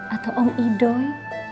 atau om idoi